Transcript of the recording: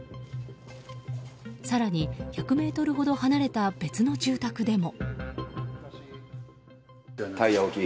更に、１００ｍほど離れた別の住宅でも。